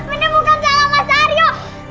ini bukan salah mas aryo